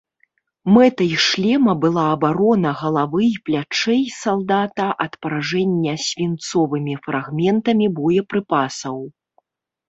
Мэтай шлема была абарона галавы і плячэй салдата ад паражэння свінцовымі фрагментамі боепрыпасаў.